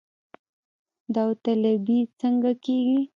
داوطلبي څنګه کیږي؟